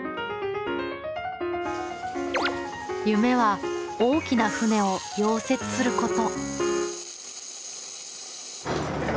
夢は大きな船を溶接すること。